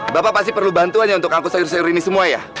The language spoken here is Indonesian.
bapak pasti perlu bantuan ya untuk angkut sayur sayur ini semua ya